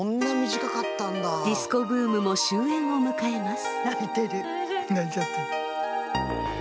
ディスコブームも終えんを迎えます。